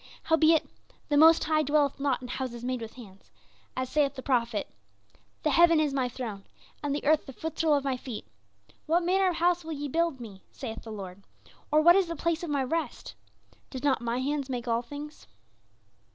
Howbeit the Most High dwelleth not in houses made with hands; as saith the prophet "'The heaven is my throne, And the earth the footstool of my feet; What manner of house will ye build me? saith the Lord, Or what is the place of my rest? Did not my hands make all things?